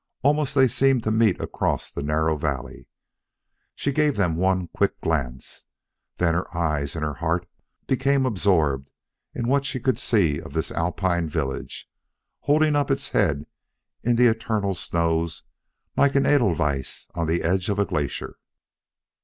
Almost they seemed to meet across the narrow valley. She gave them one quick glance, then her eyes and her heart became absorbed in what she could see of this Alpine village, holding up its head in the eternal snows like an edelweiss on the edge of a glacier.